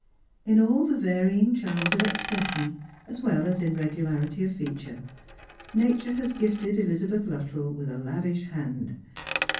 In all the varying charms of expression, as well as in regularity of feature, Nature has gifted Elizabeth Luttrell with 4 tStrangers and Pilgrims. a lavisli hand.